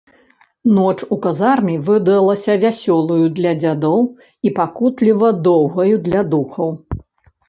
Ноч у казарме выдалася вясёлаю для дзядоў і пакутліва доўгаю для духаў.